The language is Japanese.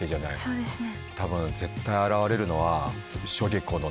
そうですね。